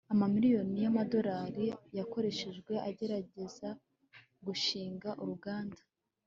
amamiliyoni yamadorari yakoreshejwe agerageza gushinga uruganda